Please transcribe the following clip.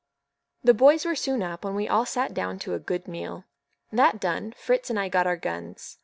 The boys were soon up, and we all sat down to a good meal. That done, Fritz and I got our guns.